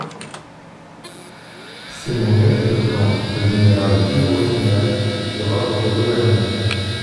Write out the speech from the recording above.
C'est mon aide-de-camp, le général Durosnel, qui sera votre gouverneur.